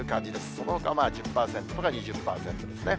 そのほかはまあ１０％から２０％ですね。